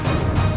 aku akan menang